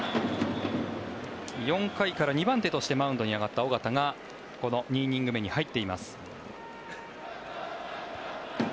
４回から２番手としてマウンドに上がった尾形がこの２イニング目に入っています。